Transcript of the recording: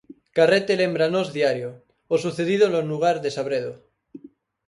Carrete lembra a Nós Diario o sucedido no lugar de Sobredo.